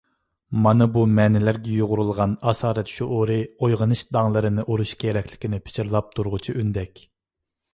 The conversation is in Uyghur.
مانا بۇ مەنىلەرگە يۇغۇرۇلغان «ئاسارەت» شۇئۇرى ئويغىنىش داڭلىرىنى ئۇرۇش كېرەكلىكىنى پىچىرلاپ تۇرغۇچى ئۈندەك.